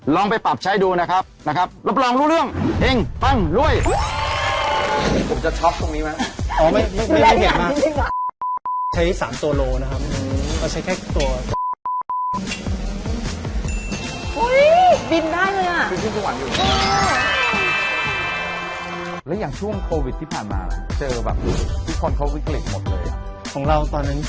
ลองไปปรับใช้ดูนะครับรับรองรู้เรื่องเองตั้งรวย